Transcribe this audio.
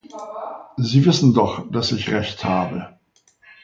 Sie wissen doch, dass ich Recht habe.